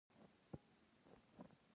احمد راشه حال زمانه ده.